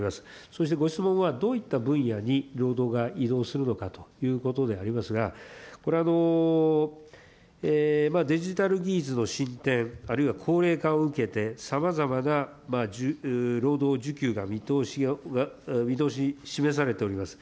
そしてご質問は、どういった分野に労働が移動するのかということでありますが、これ、デジタル技術の進展、あるいは高齢化を受けて、さまざまな労働需給が見通し示されております。